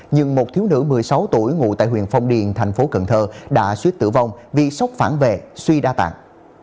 nhưng một thiếu nữ một mươi sáu tuổi ngụ tại huyện phong điền thành phố cần thơ đã suýt tử vong vì sốc phản vệ suy đa tạng